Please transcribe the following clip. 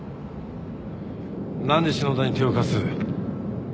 何で篠田に手を貸す？